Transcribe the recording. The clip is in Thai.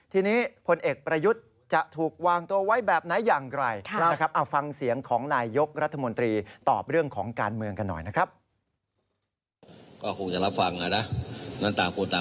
ทีนี้พลเอกประยุทธ์จะถูกวางตัวไว้แบบไหนอย่างไรนะครับ